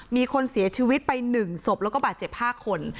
มีคนเสียชีวิตไป๑ศพแล้วก็บาดเจ็บ๕คน